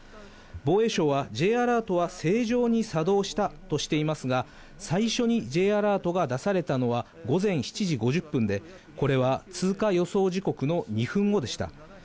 防衛省は、Ｊアラートは正常に作動したとしていますが、最初にＪアラートが出されたのは午前７時５０分で、これは通過予想時刻の２分後でした。